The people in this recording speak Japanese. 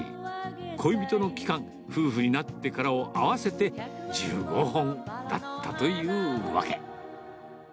恋人の期間、夫婦になってからを合わせて１５本だったというわけ。